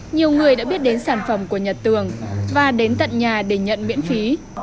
nhiều người đã biết đến sản phẩm của nhật tường và đến tận nhà để nhận miễn phí